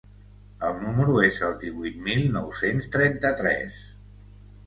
El número es el divuit mil nou-cents trenta-tres.